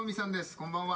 こんばんは」。